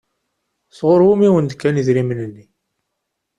Sɣur wumi i wen-d-kan idrimen-nni?